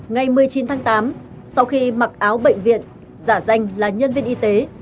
ngày một mươi chín tháng tám sau khi mặc áo bệnh viện giả danh là nhân viên y tế